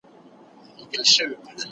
¬ چرگه مي ناجوړه کې، پلمه مي ورته جوره کې.